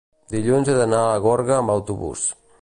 Dilluns he d'anar a Gorga amb autobús.